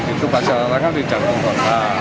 itu pasar larangan di jangkauan